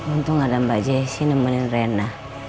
untung ada mbak jessi nemenin rena